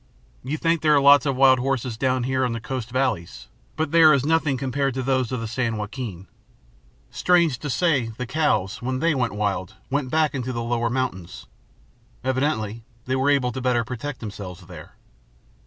You think there are lots of wild horses down here in the coast valleys, but they are as nothing compared with those of the San Joaquin. Strange to say, the cows, when they went wild, went back into the lower mountains. Evidently they were better able to protect themselves there.